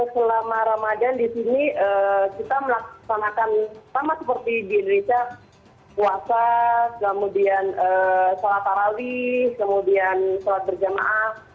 selama ramadan di sini kita melaksanakan sama seperti di indonesia puasa kemudian sholat tarawih kemudian sholat berjamaah